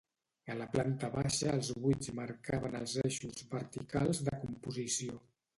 A la planta baixa els buits marcaven els eixos verticals de composició.